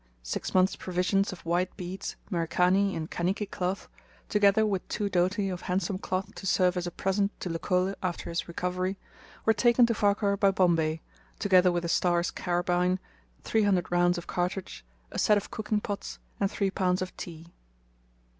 Six months' provisions of white beads, Merikani and Kaniki cloth, together with two doti of handsome cloth to serve as a present to Leucole after his recovery, were taken to Farquhar by Bombay, together with a Starr's carbine, 300 rounds of cartridge, a set of cooking pots, and 3 lbs. of tea.